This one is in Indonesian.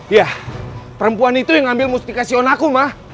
ya perempuan itu yang ambil mustikasi on aku ma